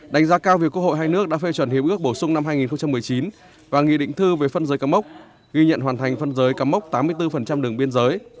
đánh giá cao việc quốc hội hai nước đã phê chuẩn hiếp ước bổ sung năm hai nghìn một mươi chín và nghị định thư về phân giới campuchia ghi nhận hoàn thành phân giới campuchia tám mươi bốn đường biên giới